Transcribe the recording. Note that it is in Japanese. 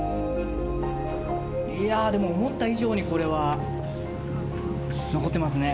いやでも思った以上にこれは残ってますね。